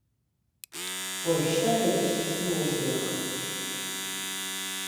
Уажәшьҭа ҳәатәыс исымоузеи, аха.